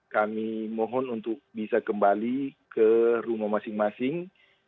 kami mohon untuk bisa kembali ke rumah masing masing